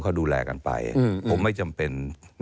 เขาดูแลกันไปผมไม่จำเป็น